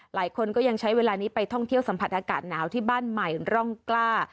หลายคนก็ยังใช้เวลานี้ไปท่องเที่ยวสัมผัสอากาศหนาวที่บ้านใหม่ร่องกล้า